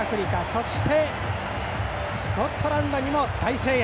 そしてスコットランドにも大声援。